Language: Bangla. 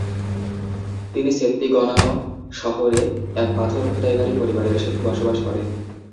তিনি সেত্তিগনানো শহরে এক পাথর খোদাইকারীর পরিবারের সাথে বসবাস করেন।